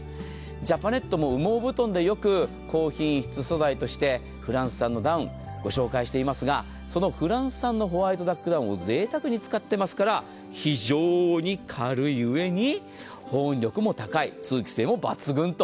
ジャパネットも羽毛布団でよく高品質素材としてフランス産のダウンご紹介していますがそのフランス産のホワイトダックダウンを贅沢に使っていますから非常に軽い上に保温力も高い通気性も抜群と。